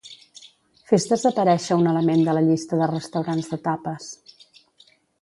Fes desaparèixer un element de la llista de restaurants de tapes.